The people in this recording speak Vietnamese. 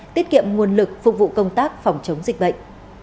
tiết kiệm nguồn lực phục vụ công tác phòng chống dịch bệnh